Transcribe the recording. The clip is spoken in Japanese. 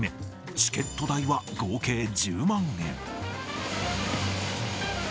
チケット代は合計１０万円。